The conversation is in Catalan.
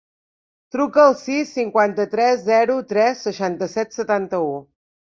Truca al sis, cinquanta-tres, zero, tres, seixanta-set, setanta-u.